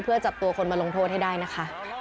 เพื่อจับตัวคนมาลงโทษให้ได้นะคะ